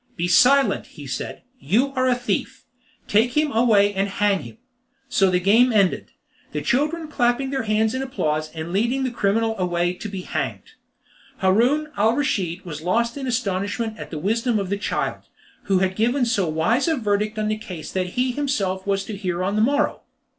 "Be silent," he said, "you are a thief. Take him away and hang him." So the game ended, the children clapping their hands in applause, and leading the criminal away to be hanged. Haroun al Raschid was lost in astonishment at the wisdom of the child, who had given so wise a verdict on the case which he himself was to hear on the morrow.